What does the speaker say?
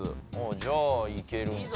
じゃあいけるんかな？